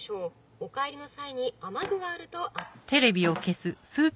お帰りの際に雨具があると。